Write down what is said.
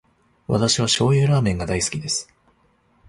私は醤油ラーメンが大好きです。